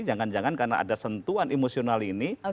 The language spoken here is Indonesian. jangan jangan karena ada sentuhan emosional ini